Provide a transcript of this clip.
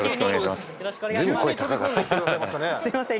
急に飛び込んできてくださいましたねすいません